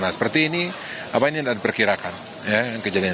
seperti ini apa ini yang diperkirakan